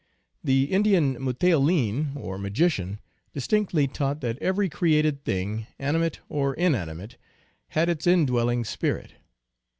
The Indian m teouUn, or magician, distinctly taught that every created thing, animate or inanimate, had its indwelling spirit.